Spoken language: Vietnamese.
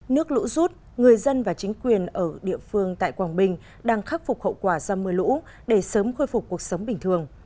nước lũ rút người dân và chính quyền ở địa phương tại quảng bình đang khắc phục hậu quả do mưa lũ để sớm khôi phục cuộc sống bình thường